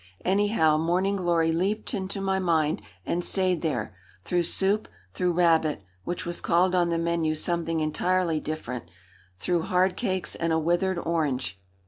Anyhow, Morning Glory leaped into my mind and stayed there, through soup, through rabbit, which was called on the menu something entirely different, through hard cakes and a withered orange.